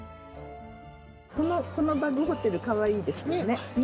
このバグホテルかわいいですよね。